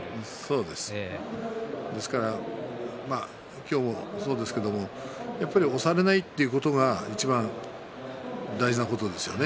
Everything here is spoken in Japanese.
そうですか今日もそうですけれど押されないということがいちばん大事なことですよね。